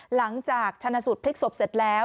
หลังจากชนะสูตรพลิกศพเสร็จแล้ว